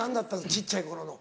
小っちゃい頃の。